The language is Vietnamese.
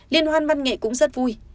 liên hoan măn nghệ cũng rất vui